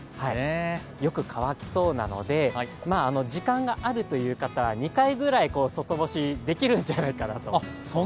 よく乾きそうなので、時間がある方は２回ぐらい、外干しできるんじゃないかなと。